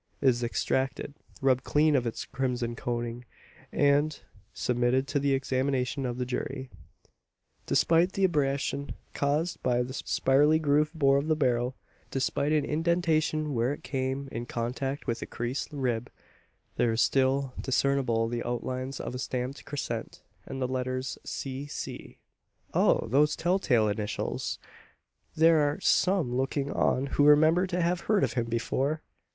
It is extracted; rubbed clean of its crimson coating; and submitted to the examination of the jury. Despite the abrasion caused by the spirally grooved bore of the barrel despite an indentation where it came in contact with a creased rib there is still discernible the outlines of a stamped crescent, and the letters C.C. Oh! those tell tale initials! There are some looking on who remember to have heard of them before.